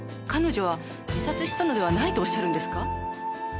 彼女は自殺したのではないとおっしゃるんですか？